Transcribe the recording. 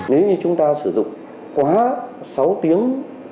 nếu như chúng ta sử dụng quá sáu tiếng